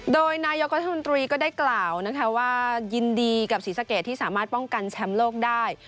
โดยนายกรัฐมนตรีก็ได้กล่าวนะคะว่ายินดีกับศรีสะเกดที่สามารถป้องกันแชมป์โลกได้